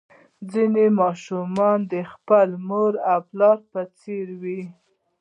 ولې ځینې ماشومان د خپل مور او پلار په څیر وي